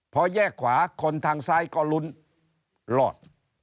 พอแยกขวาคนทางซ้ายก็ลุ้นรอด